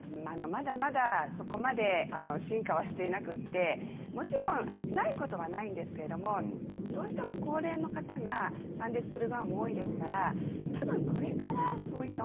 まだまだそこまで進化はしていなくてもちろんないことはないんですけれどどうしても高齢の方が参列する場も多いですからたぶんこれからそういった